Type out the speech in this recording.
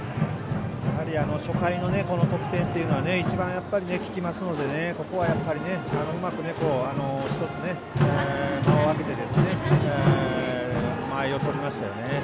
初回の得点というのは一番、効きますのでここはやっぱりうまく１つ間を空けて間合いをとりましたよね。